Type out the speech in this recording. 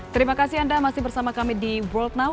terima kasih anda masih bersama kami di world now